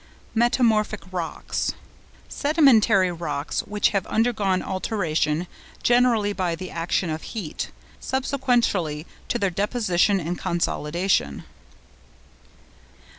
METAMORPHIC ROCKS.—Sedimentary rocks which have undergone alteration, generally by the action of heat, subsequently to their deposition and consolidation.